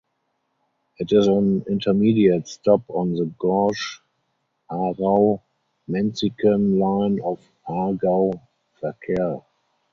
It is an intermediate stop on the gauge Aarau–Menziken line of Aargau Verkehr.